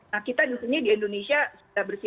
nah kita biasanya di indonesia sudah bersih